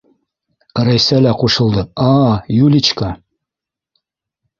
Рәйсә лә ҡушылды: - А, Юличка!